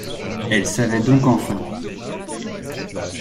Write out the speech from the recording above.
Elle savait donc enfin!